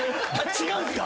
違うんすか！？